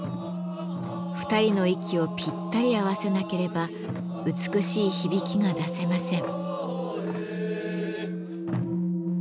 ２人の息をぴったり合わせなければ美しい響きが出せません。